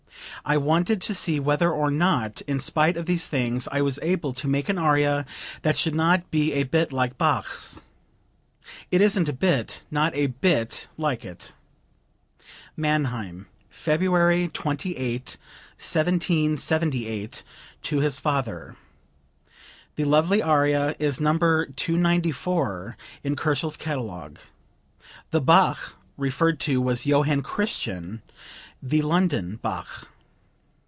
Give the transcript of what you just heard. I wanted to see whether or not in spite of these things I was able to make an aria that should not be a bit like Bach's. It isn't a bit, not a bit like it." (Mannheim, February 28, 1778, to his father. The lovely aria is No. 294 in Kochel's catalogue. The Bach referred to was Johann Christian, the "London" Bach.)